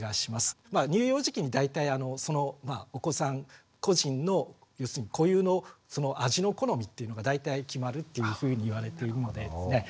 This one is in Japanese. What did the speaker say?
乳幼児期に大体そのお子さん個人の要するに固有の味の好みっていうのが大体決まるっていうふうにいわれているのでですね。